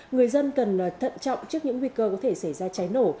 người dân cần thận trọng trước những nguy cơ có thể xảy ra cháy nổ